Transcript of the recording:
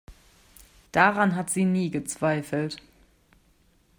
Daran hat sie nie gezweifelt.